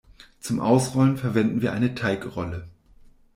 Zum Ausrollen verwenden wir eine Teigrolle.